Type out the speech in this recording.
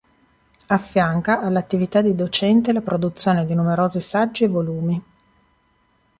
Affianca all'attività di docente la produzione di numerosi saggi e volumi.